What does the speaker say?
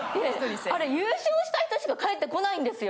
あれ優勝した人しか返ってこないんですよ！